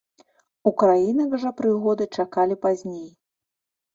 Украінак жа прыгоды чакалі пазней.